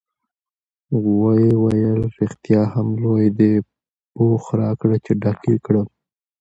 ویې ویل: رښتیا هم لوی دی، پوښ راکړه چې ډک یې کړم.